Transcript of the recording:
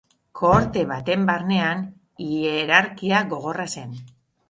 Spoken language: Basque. Kohorte baten barnean, hierarkia gogorra zen.